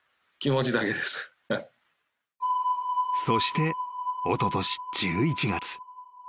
［そしておととし１１月］